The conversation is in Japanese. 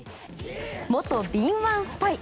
元敏腕スパイ。